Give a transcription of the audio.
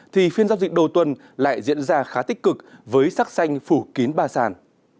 thì phiên giao dịch đầu tuần lại diễn ra khá tích cực với sắc xanh phủ kín ba sàn